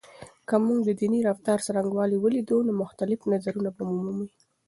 که موږ د دیني رفتار څرنګوالی ولیدو، نو مختلف نظرونه به ومومو.